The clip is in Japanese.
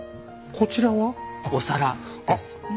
こちらは？お皿です。